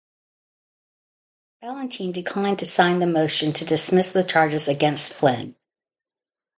Ballantine declined to sign the motion to dismiss the charges against Flynn.